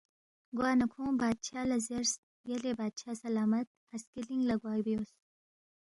گوانہ کھون٘ی بادشاہ لہ زیرس، یلے بادشاہ سلامت، ہسکے لِنگ لہ گوا بیوس